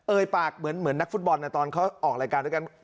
ปากเหมือนนักฟุตบอลตอนเขาออกรายการด้วยกัน